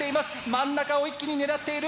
真ん中を一気に狙っている。